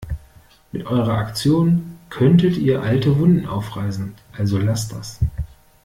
Mit eurer Aktion könntet ihr alte Wunden aufreißen, also lasst das!